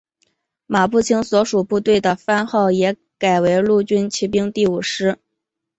马步青所属部队的番号也改为陆军骑兵第五师。